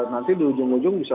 nanti di ujung ujung bisa